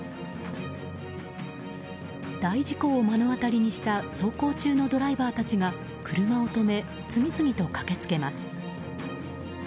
大事故を目の当たりにした走行中のドライバーたちが車を止め、次々と駆け付けます。